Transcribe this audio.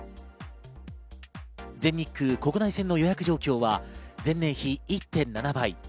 全日空国内線の予約状況は前年比１．７倍。